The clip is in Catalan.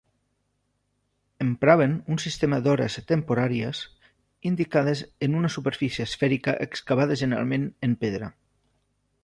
Empraven un sistema d'hores temporàries indicades en una superfície esfèrica excavada generalment en pedra.